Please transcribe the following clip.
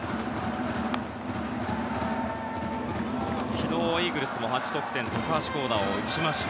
昨日、イーグルスも８得点高橋光成を打ちました。